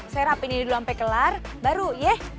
saya rapiin ini dulu sampai kelar baru ya